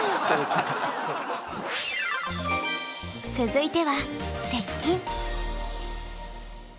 続いては「接近」。